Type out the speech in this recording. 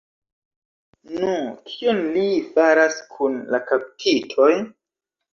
Nu, kion ili faras kun la kaptitoj?